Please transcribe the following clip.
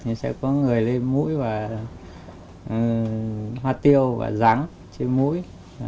thì sẽ có người lấy mũi và hoa tiêu và rắn trên mũi